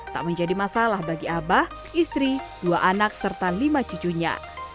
tak menjadi masalah bagi abah istri dua anak serta lima cucunya